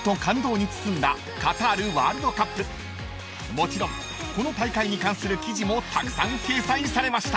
［もちろんこの大会に関する記事もたくさん掲載されました］